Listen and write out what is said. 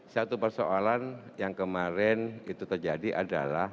satu persoalan yang kemarin itu terjadi adalah